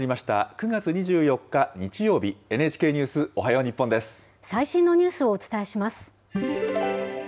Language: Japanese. ９月２４日日曜日、最新のニュースをお伝えしま